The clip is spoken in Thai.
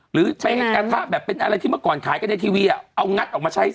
หรือถ้าเป็นอะไรที่เมื่อก่อนขายกันในทีวีเอางัดออกมาใช้ซะ